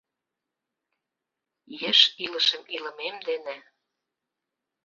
Еш илышым илымем дене